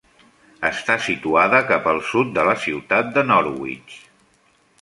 Està situada cap al sud de la ciutat de Norwich.